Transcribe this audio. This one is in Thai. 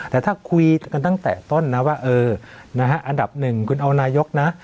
แต่ถ้าคุยกันตั้งแต่ต้นนะว่าอันดับหนึ่งคุณเอานายกนะ